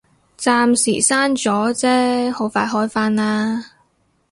暫時閂咗啫，好快開返啦